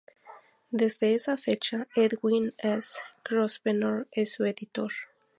Desde esa fecha, "Edwin S. Grosvenor" es su editor.